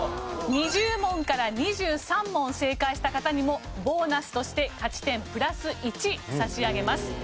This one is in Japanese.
２０問から２３問正解した方にもボーナスとして勝ち点プラス１差し上げます。